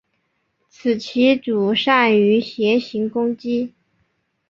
此棋组善于斜行攻击。